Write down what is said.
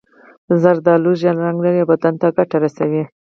زردالو ژېړ رنګ لري او بدن ته ګټه رسوي.